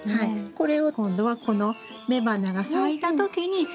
これを今度はこの雌花が咲いた時にちょんちょん。